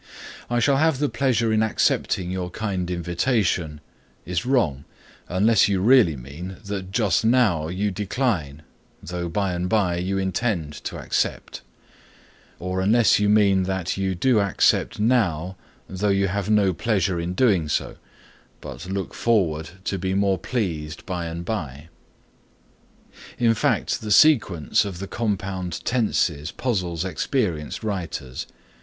"I shall have much pleasure in accepting your kind invitation" is wrong, unless you really mean that just now you decline though by and by you intend to accept; or unless you mean that you do accept now, though you have no pleasure in doing so, but look forward to be more pleased by and by. In fact the sequence of the compound tenses puzzle experienced writers.